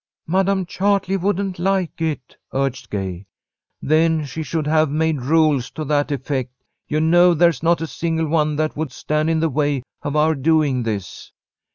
"Madam Chartley wouldn't like it," urged Gay. "Then she should have made rules to that effect. You know there's not a single one that would stand in the way of our doing this."